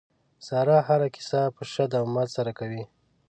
ساره هره کیسه په شد او مد سره کوي.